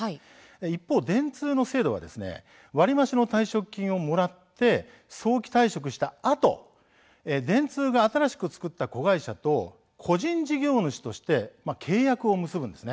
一方、電通の制度は割り増しの退職金をもらって早期退職したあと電通が新しく作った子会社と個人事業主として契約を結ぶんです。